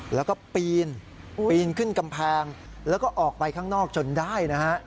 แล้วก็ปีนปีนขึ้นกำแพงแล้วก็ออกไปข้างนอกจนได้นะฮะ